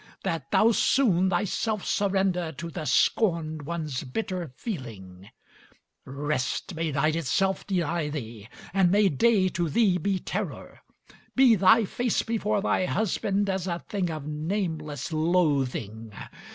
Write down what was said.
That thou soon thyself surrender to the scorned one's bitter feeling. Rest may night itself deny thee, and may day to thee be terror! Be thy face before thy husband as a thing of nameless loathing!